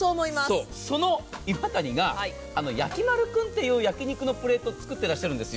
その岩谷が焼きまるくんという焼き肉のプレートを作っていらっしゃるんです。